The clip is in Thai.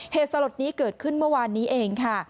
สลดนี้เกิดขึ้นเมื่อวานนี้เองค่ะ